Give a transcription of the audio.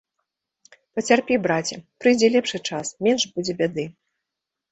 Пацярпі, браце, прыйдзе лепшы час, менш будзе бяды.